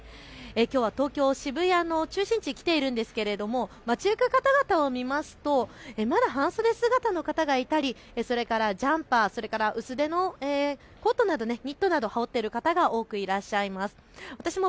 きょうは東京渋谷の中心地に来ているんですが街行く方々を見ますとまだ半袖姿の方がいたりジャンパー、それから薄手のコート、ニットなど羽織っている方多くいらっしゃいます。